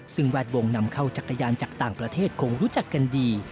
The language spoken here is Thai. ซึ่งแวดวงนำเข้าจักรยานจากต่างประเทศคงรู้จักกันดี